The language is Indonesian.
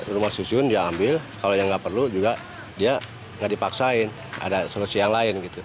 rumah susun dia ambil kalau yang nggak perlu juga dia nggak dipaksain ada solusi yang lain gitu